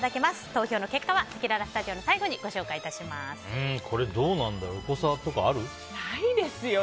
投票の結果はせきららスタジオの最後にこれ、どうなんだろう？ないですよ。